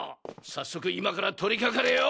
さっそく今から取りかかれよ！